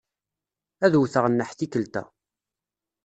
Ad wteɣ nneḥ tikkelt-a.